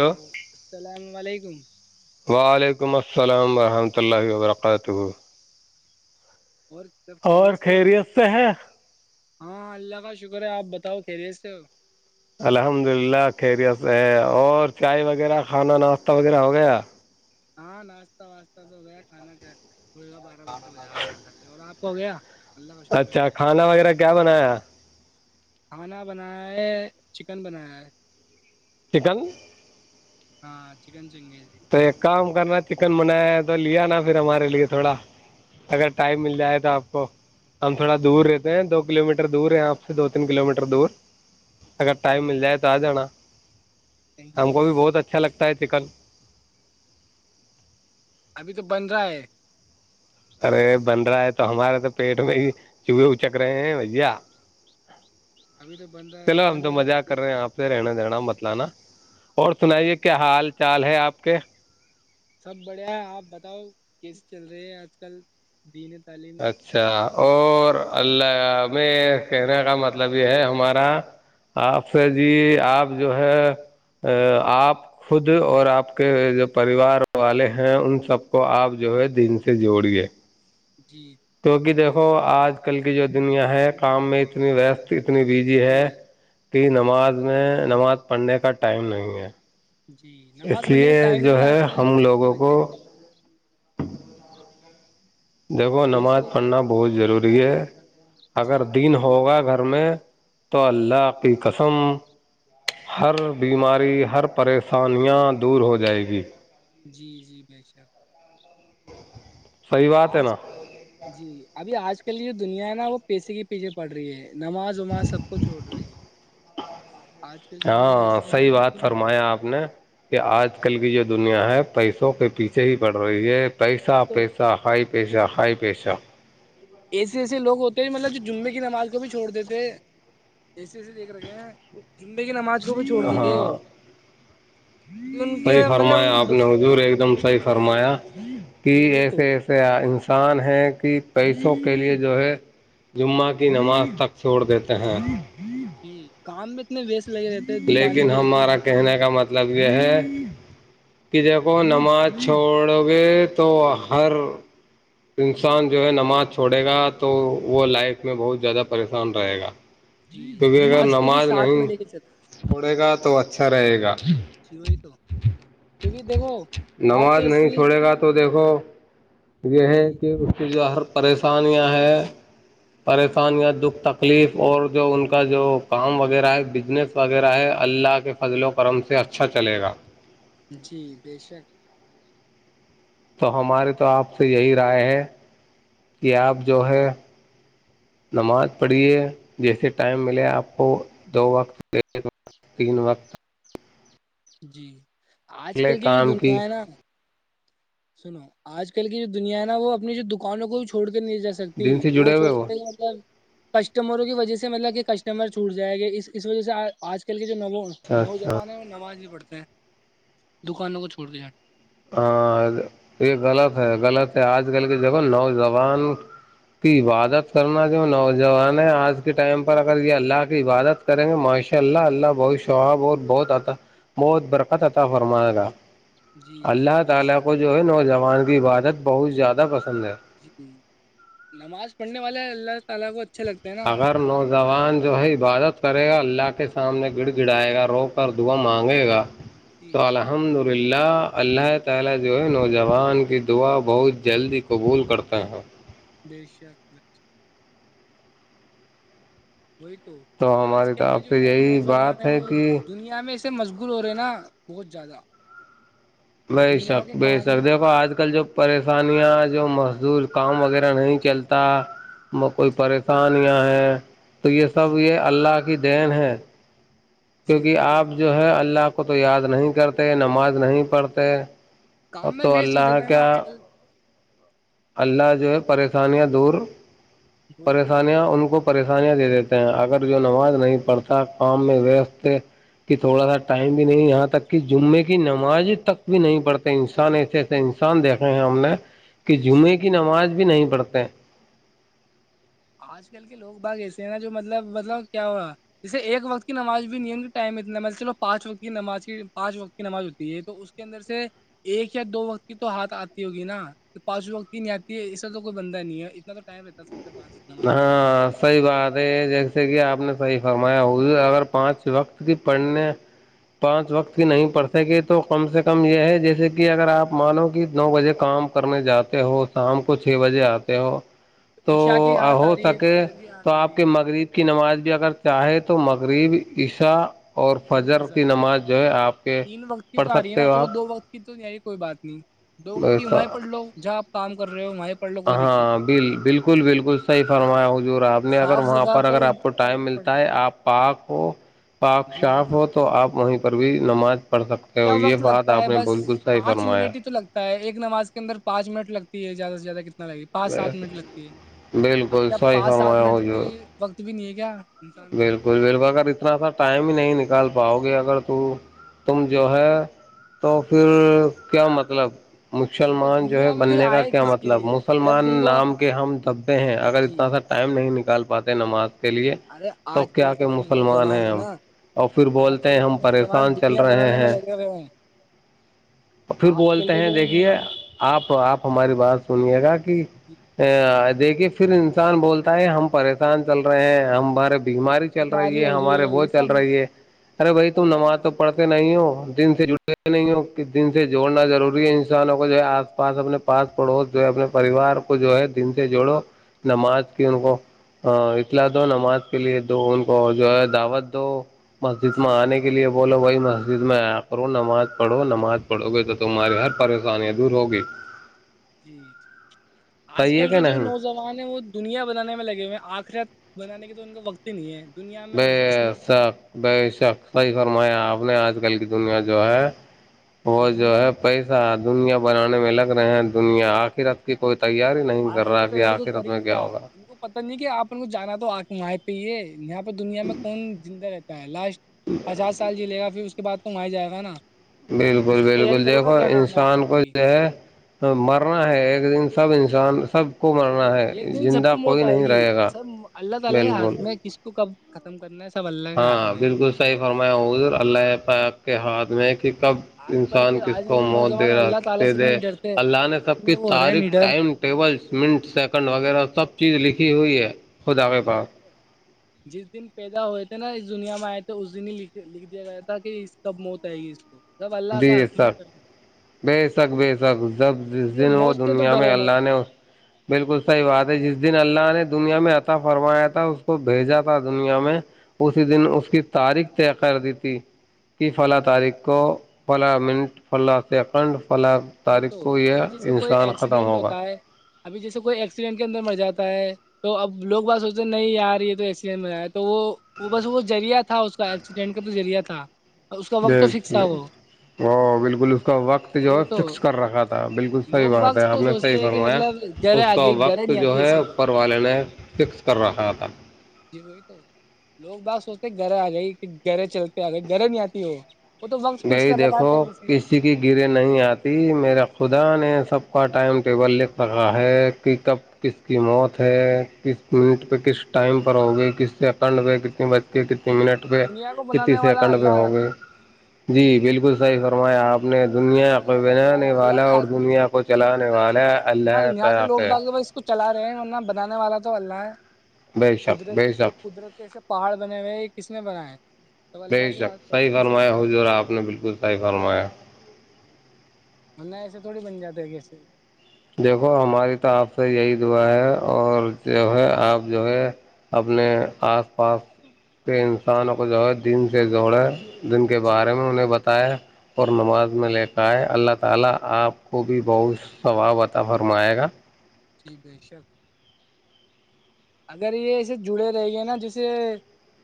Hello السلام علیکم وعلیکم السلام ورحمۃ اللہ وبرکاتہ اور سب اور کہریی سے ہو خیریت سے ہے ہاں اللہ کا شکر ہے آپ ب تاؤ خھیریےس الحمد للہ خیریت ہے اور چائے وغیرہ کھانا ناشتہ وغیرہ ہو گیا ہاں ناشہ واسہ تو وہ کھانا ک صب بارہ بجےک ہو جائے گا کھا کے اور آپ [unintelligible] ہو گیا اللہ کا شکر ہے ہو اچھا گیا کھانا وغیرہ کیا بنایا کھانا بنایا ہے چکن بنایا ہے چکن ہاں چکن چنگیزی تو ایک کام کرنا چکن منایا ہے تو لیا نا پھر ہمارے لیے تھوڑا اگر ٹائم مل جائے تو آپ کو ہم تھوڑا دور رہتے ہیں دو کلو میٹر دور ہے آپ سے دو تین کلو میٹر دور اگر انشاء ٹائم مل اللہ جائے تو آ جانا انشاء ہم کو بھی اللہ بہت اچھا بھیجتے ہیں۔ لگتا ہے چکن ابھی تو بن رہا ہے ارے بن رہا ہے تو ہمارے تو پیٹ میں ہی چوہے اچک رہے ہیں بھیا ابھی تو بن رہا ہے چلو ہم تو بنے گا مزہ کر دیکھ- رہے ہیں آپ سے رہنا جنا متلانا اور سنائیے کیا حال چال ہے آپ کے سب بڑھیا ہے آپ بتاؤ کیسے چل رہے ہیں آپ آج کل دین تعلیم اچھا اور اللہ ہمیں کہنے کا مطلب یہ ہے ہمارا آپ سے جی آپ جو ہے آپ خود اور آپ کے جو پریوار والے ہیں ان سب کو آپ جو ہے دن سے جوڑیے جی کیونک دیکھو آج آج کل کی جو دنیا ہے کام میں اتنی ویست اپنی بیجی ہے جی کی نماز میں نماز پڑھنے کا ٹائم نہیں ہے جی نماز اس پڑھنے کا لیے ٹائم نہیں جو ہے آج کل ہم اس کی لوگوں وجہ کو سے دیکھو نماز پیسوں پڑھنا بہت ضروری ہے اگر جی دن ہوگا گھر میں تو اللہ کی قسم ہر بیماری ہر پریشانیاں دور ہو جائے گی جی جی ب ش صحیح بات ہے آج نا جی ابھی آج کے لیے دنیا نا وہ پیسے کے پیچھے پڑ رہی ہے نماز وماز سب کو چھوڑ رہی ہے آج کل کی دنیا ہاں ایسی ہے نا صحیح جو بات مطلب فرمایا آپ نے کہ آج آج کل کی جو دنیا ہے پیسوں کے پیچھے ہی پڑ رہی ہے پیسہ تو پیسہ ہائپ پیسہ ہائی پیسہ ایسے ایسے لوگ ہوتے ہیں مطلب جو جمعے کی نماز کو بھی چھوڑ دیتے ایسے ایسے دیکھ رکھے ہیں جمبے کی نماز کو بھی چھوڑ دی تھے وہ ہاں کیونکہ ان صحیح کے مطلب ان فرمایا آپ کو نے حضور ایک دم صحیح فرمایا کہ جی وہی تو ایسے ایسے ان انسان ہے کہ پیسوں کے لیے جو ہے جمعہ کی نماز تک چھوڑ دیتے ہیں جی کام میں اتنے ویس لیکن ہمارا کہنے کا من مطلب یہ ہے کہ جب کوو نماز چھوڑو گے تو ہر انسان جو ہے نماز چھوڑے گا تو وہ لائف میں بہت زیادہ پریشان رہے گا جی کیونکہ اگر کو بھی نماز ساتھ نہیں میں لے کے چل چھوڑے گا تو اچھا رہے گا جی وہی تو کیونکہ دیکھو بات تو نماز اس نہیں لیے چھوڑے کہ گا تو دیکھو یہ جی ہے کہ اس کے جو ہر پریشانیاں ہیں پریشان جی یا دکھ تک تکلیف اور جو ان کا جو کام وغیرہ ہے بزنس وغیرہ ہے اللہ فضل و جی کرم سے ا اچھا چلے گا جی بے شک تو ہماری تو آپ سے یہی رائے ہے کہ آپ جو ہے نماز پڑھیے جیسے ٹائم ملے آپ کو دو وقت ایک و تین وقت جی آج لے کل کی جو کام دنیا ہے نا سنو آج کل کی جو دنیا نا وہ اپنی جو دکانوں کو چھوڑ نہیں جا سکتی دن سے وہ جڑے ہوئے سوچتے ہیں ا کسٹمروں کی وجہ سے مطلب کہ کسٹمر چھوٹ جائے گا اس اس وجہ سے آج کل کے ن اچھا اچھا نوجوان ہے نماز پڑتے ہیں دکانوں کو چھوڑ د ج ہاں یہ غلط ہے غلط ہے آج کل کی جگہ نوجوان کی عبادت کرنا جو نوجوان آج کے ٹائم پر جانا اگر تو یہ اللہ کی عبادت کریں گے معشر ان شاء اللہ اللہ بہت سوااب اور بہت بہت برکت عطا فرمائے گا جی جی اللہ بے تعالی شک کو جو ہے نوجوان عبادت بہت زیادہ پسند ہے جی ہ نماز پڑھنے والا ہے اللہ [unintelligible] الال بت [inaudible] اگر نوجوان جو ہے عبادت کرے گا اللہ کے سامنے [unintelligible] گڑ گڑائے گا روک کر دھوا مار [unintelligible] گ گا وقت تو جی الحمد للہ [unintelligible] [unintelligible] ایشیا کچھ [unintelligible] وہی تو آج ہماری کل کے طرف جو سے ن یہی نوجوان بات ہیں ہے وہ کہ دنیا میں [unintelligible] سے مشغول ہو رہے ہیں نا بہت زیادہ [unintelligible] بے دنیا شک کے بے کام شک میں دیکھو آج کل جو پ [unintelligible] آسانیاں جو مزدور کام وغیرہ نہیں چلتا [unintelligible] میں کوئی پریشانیاں ہے [unintelligible] ہ [unintelligible] تو یہ جی سب یہ اللہ کا [unintelligible] کی دین ہے [unintelligible] جی کیونکہ وہی تو آپ جو ہے اللہ کو [unintelligible] کو تو یاد نہیں کرتے نماز نہیں پڑھتے [unintelligible] کام میں تو وست ہو اللہ جاتتا ہے نا آج کیا کل [unintelligible] اللہ جو ہے پریشانیاں دور [unintelligible] وہی تو پریشانیاں ان کو پریشانیاں دے دیتے ہیں اگر جو نماز نہیں پڑھتا کام میں ویست کہ تھوڑا سا ٹائم بھی نہیں یہاں تک کہ جمے کی نماز تک بھی نہیں پڑتا انسان جی ایسے وہی ایسے تو انسان دیکھے ہیں ہم ہم نے [unintelligible] کہ بے شک جمعے کی نماز بھی نہیں پڑتے [unintelligible] آج کل کے لوگ باغ ایسے ہیں نا جو مطلب مطلب کیا ہوا جیسے ایک وقت کی نماز بھی نہیں ہے ٹائم اتنا مطلب چلو پانچ وقت کی نماز پانچ وقت کی نماز ہوتی ہے تو اس کے اندر سے ایک یا دو وقت کی تو ہات آتی ہوگی نا پانچ وقت کی نہیں آتی ہے اسا تو کوئی بندہ نہیں ہے اتنا تو ٹائم رہتا ہے سب کے پاس نماز پڑھنے ہاں صحی بات ہے یہ جیسے کہ آپ نے صحیح فرمایا ہوا اگر پانچ وقت کی پڑھنے پانچ وقت کی نہیں پڑھ سکے تو کم سے کم یہ ہے جیسے کہ اگر آپ مانو کہ نو بجے کام کرنے جاتے ہو شام کو چھ بجے آتے ہو [unintelligible] عشا کی ہاتھ [unintelligible] ہو سکے فجر کی تو ہاتھ آ آپ رہی کے ہے مغریب [unintelligible] نماز بھی اگر چاہے تو مغرب عیسا [unintelligible] اور فضر کے تین وقت کی پڑھ تو آ رہی ہے سکتے نا ہو چلو آپ دو وقت کی تو آ رہی کوئی بات نہیں [unintelligible] توگ کی وہاںیں پڑ لوگ [unintelligible] ج آپ کام کر رہے ہو میں ہاں ہاں ب بالکل بالکل بالکل صحیح وہی تو فرمایا حجورا آپ نے اگر صاف وہاں جگہ پر اگر آپ کو کر ٹائم پڑھ ملتا لو ہے آپ پارک ہو پاک جی وہی شاف ہو تو آپ وہیں پر پر بھیی نماز پڑھ سکتے ہو کیا یہ وقت بات لگتا آپ ہے نے بس بالکل صحیح پانچ فرمایا منٹ ہی تو لگتا ہے ایک نماز کے انر پانچ منٹ لگتی ہے زیادہ سے زیادہ ک لگ گی پانچ سات منٹ لگتی ہے اب بالکل کیا صحیح پانچ سات فرمایا منٹ کے حضور وقت بھی نہیں ہے کیا انسان کو بالکل بالک اگر اتناا ٹائم ہی نہیں نک نکال پاؤ گے اگر تو تم جو ہے تو پھر کیا مطلب جی وہ مسلمان جو ہے دنیا میں پھر بننے کا آئے کیا کس کے مطلب لیے جب مسلمان تم کو نام کے ہم دھبے ہیں اگر جی اتنا سا ٹائم نہیں نکل گال پاتیں نماز چ لیے ارے تو آج کیا کل کے کیا جو مسلمان نوجوان ہیں ہے ہم نا اور پھر آج بولتے کل ہیں کے ہم نوجوان پریشان چل دنیا رہے بنانے میں ہیں لگے ہوئے ہیں پھر آج کل بولتے کے ہیں جو دیکھیے نوجوان آپ آپ ہماری بات سنیے گا [inaudible] دیکھیے پھر انسان بولتا ہے ہم پریشان چل رہے ہیں ہم ہمارے بیماری چل رہی بیماری ہے ہو ہمارے وہ یہ چل سب رہی ہے ارے بھائی تم اللہ نماز کا تو پڑھتے نہیں ہو دن سے جٹے نہیں ہو کہ دن سے جوڑنا ضروری ہے انسانوں کو جو ہے آس پاس اپنے پاس پڑوس جو ہے اپنے پریوار کو جو ہے دن سے جوڑو نماز کی ان کو اطلاع دو نماز کے لیے دو ان کو جو ہے دعوت دو مسجد جی میں آنے کے لیے بولو بھائی مسجد میں آیا کرو نماز پڑو نماز ہاتھ پڑو گے تو تمہاری ہر پریشانی دور ہوگی جی آج صحیح ہے کل کہ کے جو نہیں نوجوان ہیں وہ دنیا بنانے میں لگے ہوئے ہیں آخر بنانے کے تو ان کا وقت ہی نہیں ہے میں سر میں میں اپ نے اج کل کی دنیا جو ہے وہ جو دنیا ہے میں پیسہ دنیا بنانے میں لگ رہے ہیں دنیا آخر رکھتی پہتی آخری کی تیاری کو کر ہیا ہوگا ان کو پت نہیں کہ آپ ان کو جانا تو آکھ [inaudible] یہاں پر دنیا میں کون زندہ رہتا ہے لاسٹ پچاس سال جیلے گا پھر اس کے بعد کم آ ہی جائے گا نا بالکل اس کی بالکل تیاری کرو نا دیکھو کیا کام ہے انسان کو آخرت کی جو ہے مرنا ہے ایک دن سب انسان سب کو مرنا ایک ہے دن جب زندہ تم کوئی ہوتا ہے نہیں گی رہے گا سر اللہ تعالی کے بالکل ہاتھ میں کس کو ختم کرنا ہے سب اللہ کے ہاتھ ہاں میں ہے۔ بالکل صحیح فرمایا ہو اللہ [inaudible] کے ہاتھ اب میں کہ کب آج کل انسان کے کس آج کل کو کے موت دے نوجوان اللہ تعالی رکھتے سے بھی دے نہیں ڈرتے اللہ نے سب کی اتنے وہ ہو رہے ہیں تاریخ نڈر ٹائم ٹیبل منٹ سیکنڈ وغیرہ سب چیز لکھی ہوئی ہے خدا کے پاس [unintelligible] جس دن پیدا ہوئے تھے نا اس دنیا میں آئے تھے اس دن ہی لکھ دیا گیا تھا کہ اس کب موت آئے گی اس کو سب اللہ کے جی ہاتھ میں سک اس بے شک بے شک جب جس لیے دن وہ موت سے تو دنیا میں ڈرو اللہ مت نے بالکل صحیح بات ہے جس دن اللہ نے دنیا میں آتا [unintelligible] فرمایا تھا اس کو بھیجا تھا دنیا میں اسی دن اس کی تاریخ طے کر دی تھی کہ فلاں تاریخ کو پلا منٹ فلا سیکنڈ پلا وہی تاریخ تو کو یہ ابھی جیسے کوئی انسان ختم ایکسیڈنٹ ہوگا ہوتا ہے ابھی جیسے کوئی ایکسیڈنٹ کے اندر مر جاتا ہے تو اب لوگ بات سوچتے ہیں نہیں یار یہ تو ایکسیڈینٹ میں رہیا ہے تو وہ وہ بس وہ ذریعہ تھا اس کا ایکسیڈینٹ کا تو ذریعہ تھا اس کا د وقت تو فکس تھا وہ وہ بالکل اس کا وقت جو ہے وہی تو فکس کر رکھا تھا بالکل صحیح لوگ بات باغ ہے آپ تو نے صحیح سوچتے ہیں کہ فرمایا مطلب گرے اس آ کا گئی گرے وقت نہیں جو آتی ہے ایسے تو اوپر والے نے فکس کر رکھا تھا جی وہی تو لوگ باغ سوچتے گھر آ گئی کہ گھر چلتے آ گئے گھر نہیں آتی وہ وہ تو وقت فکس گئی کر رکھا ہے دیکھو پہلے سے کسی کی گرے نہیں آتے میرا خدا نے سب کا ٹائم ٹیبل لکھ را ہے کہ کب کس کی موت ہے کس منٹ پہ کس ٹائم پر ہوگی کس سیکنڈ میں کتنی بجتی کتنے منٹ پہ دنیا کو کتنی بنانے والا سیکنڈ پہ اللہ ہے ہو گئے جی بالکل صحیح فرمایا آپ اپنے دنیا کو والا اللہ ہے بنانے والا اللہ کا اور آدمی دنیا کو چلانے والا یہاں اللہ یہاں کے لوگ فرقہ باغ اس کو چلا رہے ہیں ورنہ بنانے والا تو اللہ ہے بے شک قدرت بے جو شک قدرت ہے سا [inaudible] پہاڑ بنے ہوئے یہ کس نے بنا ہے بے شک صحیح فرمایا ہو ج رہا آپ نے بالکل صحیح فرمایا نہ ایسے تھوڑی بن جاتے ہیں کیسے دیکھو ہماری تو آپ سے یہی دعا ہے اور جو ہے آپ جو ہے اپنے جی آس پاس کہ انسان کو جو ہے دن سے جوڑے جن کے جی بارے میں انہیں بتا [unintelligible] پ فھرم آئے گا ٹھیک بے شک اگر یہ اسے جڑے رہ گئے نا جیسے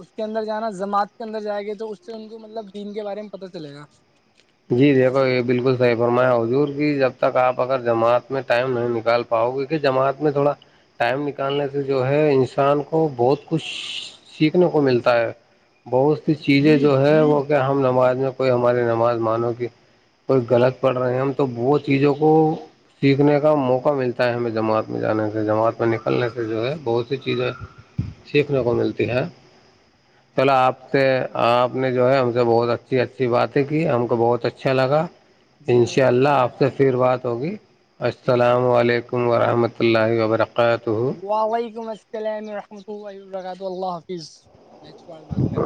اس کے اندر جانا جماعت کے اندر جائےیں گے تو اس سے ان کو مطلب دین کے بارے میں پت چلے گا جی جماعت دیکھو سے۔ یہ بالکل صحیح فرما حضور کی جب تک آپ اگر جماعت میں ٹائم نہیں نکال پاؤ کیکہ جماعت میں تھوڑا ٹائم نکالنے سے جو ہے انسان کو بہت کچھ سیکھنے کو جی ملتا ہے بہت سی جی چیزیں بے جو شک ہے وہ کیا ہم نماز میں کوئی ہماری نماز مانو کہ کوئی غلط پڑھ رہے ہیں ہم تو وہ چیزوں کو سیکھنے کا موقع ملتا ہے ہمیں جماعت میں جانے کا جماعت میں نکلنے سے جو ہے بہت سی چیزیں سیکھنے کو ملتی ہے پل آپ سے آپ نے جو ہے ہم سے بہت اچھی اچھی باتیں کی ہم کو کو بہت اچھا لگا جی ہمیں انشاء بھی اللہ اچھا آپ لگا سے پھر بات ہوگی انشاء السلام علیکم ورحمۃ وحمۃ اللہ وبرکہ وعلیکم السلام رحۃ ال الرات اللہ حافظ نال بات کر